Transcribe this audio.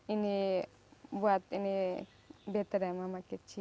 ini buat ini bete deh mama kecil